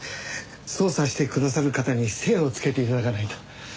捜査してくださる方に精をつけて頂かないと。